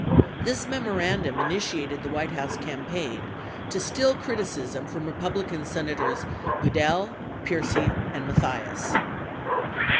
35 This memorandum initiated the White House campaign to still criti cism from Republican Senators Goodell, Percy, and Mathias.